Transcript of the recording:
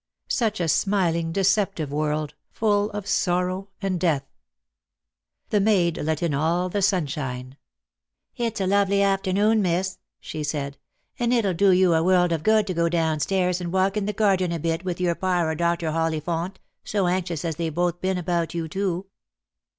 Such a smiling decep tive world, full of sorrow and death. The maid let in all the sunshine. " It's a lovely afternoon, miss," she said; "and it'll do you a world of good to go down stairs and walk in the garden a bit with your par or Dr. Hollinfount, so anxious as they've both been about you too."